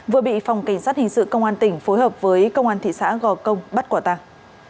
vừa bị phòng cảnh sát hình sự công an tỉnh phối hợp với công an thị xã gò công bắt quả tàng